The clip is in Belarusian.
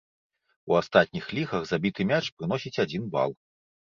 У астатніх лігах забіты мяч прыносіць адзін бал.